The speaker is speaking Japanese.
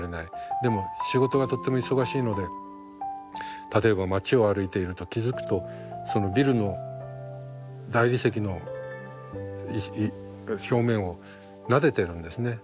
でも仕事がとっても忙しいので例えば街を歩いていると気付くとそのビルの大理石の表面をなでてるんですね。